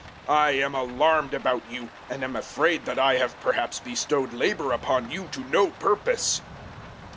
004:011 I am alarmed about you, and am afraid that I have perhaps bestowed labour upon you to no purpose.